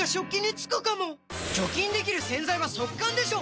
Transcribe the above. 除菌できる洗剤は速乾でしょ！